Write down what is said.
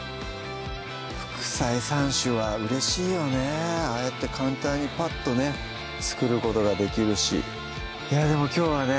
副菜３種はうれしいよねああやって簡単にパッとね作ることができるしいやでもきょうはね